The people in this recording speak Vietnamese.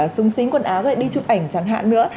xung xính quần áo và đi chụp ảnh chẳng hạn nữa